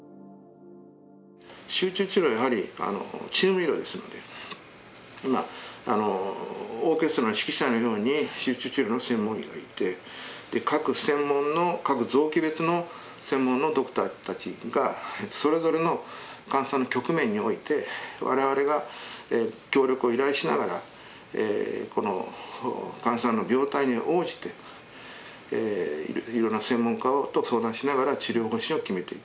集中治療はやはりチーム医療ですのでまあオーケストラの指揮者のように集中治療の専門医がいて各専門の各臓器別の専門のドクターたちがそれぞれの患者さんの局面において我々が協力を依頼しながら患者さんの病態に応じていろいろな専門家と相談しながら治療方針を決めていく。